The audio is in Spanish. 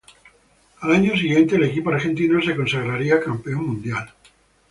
Al año siguiente el equipo argentino se consagraría campeón mundial.